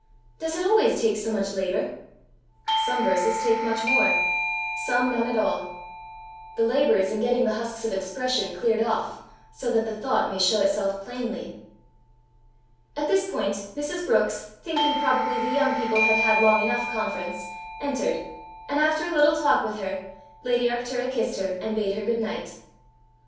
Does it always take so much labour?" "Some verses take much more; some none at all. The labour is in getting the husks of expression cleared off, so that the thought may show itself plainly." At this point Mrs. Brookes, thinking probably the young people had had long enough conference, entered, and after a little talk with her, lady Arctura kissed her and bade her good night.